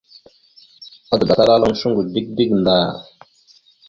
Adəɗatalalaŋ shungo dik dik vvaɗ ndar.